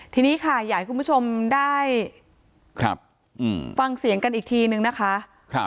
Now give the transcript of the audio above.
ทีนี้ค่ะอยากให้คุณผู้ชมได้ฟังเสียงกันอีกทีนึงนะคะ